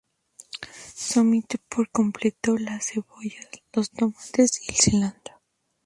Se omite por completo las cebollas, los tomates y el cilantro.